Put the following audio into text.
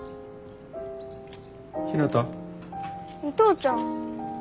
お父ちゃん。